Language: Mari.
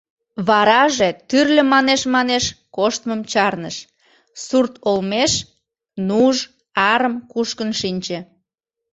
Вараже тӱрлӧ манеш-манеш коштмым чарныш, сурт олмеш нуж, арым кушкын шинче.